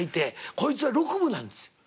こいつは六分なんです。